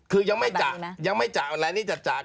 คือยังไม่จากยังไม่จากอันนี้จะจาก